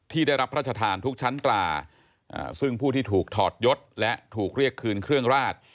ได้รับพระราชทานทุกชั้นตราซึ่งผู้ที่ถูกถอดยศและถูกเรียกคืนเครื่องราด